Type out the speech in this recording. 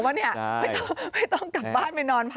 ไม่ต้องกลับบ้านไปนอนพัก